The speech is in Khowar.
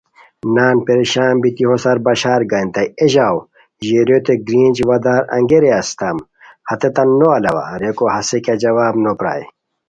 نان پریشان بیتی ہوسار بشارگنیتائے ایے ژاؤ ژیریوتین گرینج وا دار انگئے رے اسیتام، ہتیتان نو الاوا، ریکو ہیس کیہ جواب نو پرائے